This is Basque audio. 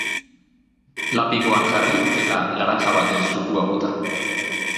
Lapikoan jarri, eta laranja baten zukua bota.